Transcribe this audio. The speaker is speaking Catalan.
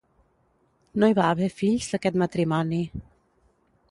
No hi va haver fills d'aquest matrimoni.